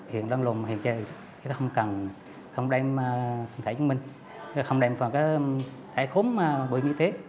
hiện đơn lùng hiện trời không đem thẻ chứng minh không đem thẻ khốn bảo hiểm y tế